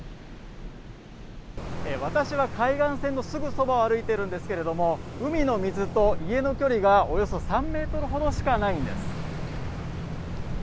私は海岸線のすぐそばを歩いているんですけれども、海の水と、いえの距離がおよそ３ｍほどしかないんです。